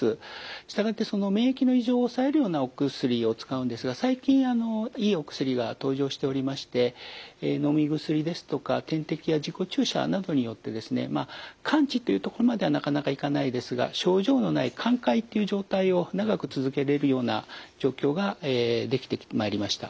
したがってその免疫の異常を抑えるようなお薬を使うんですが最近あのいいお薬が登場しておりましてのみ薬ですとか点滴や自己注射などによってですねまあ完治っていうところまではなかなかいかないですが症状のない寛解っていう状態を長く続けれるような状況ができてまいりました。